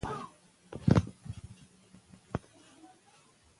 شغله ، شمله ، شاترينه ، شامسته ، شامتوره ،